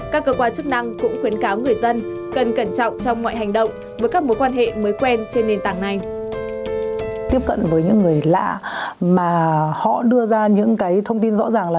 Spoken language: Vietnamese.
các cơ quan chức năng cũng khuyến cáo người dân cần cẩn trọng cho các đối tượng lừa hàng chục tỷ đồng